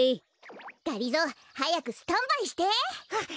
がりぞーはやくスタンバイして。わわかった！